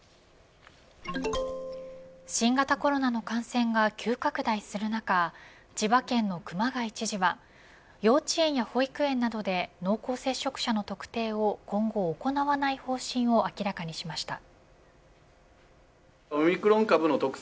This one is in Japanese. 新型コロナの感染が急拡大する中千葉県の熊谷知事は幼稚園や保育園などで濃厚接触者の特定を今後行わない方針を明らかにしました。